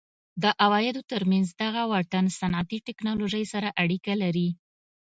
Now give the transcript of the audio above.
د عوایدو ترمنځ دغه واټن صنعتي ټکنالوژۍ سره اړیکه لري.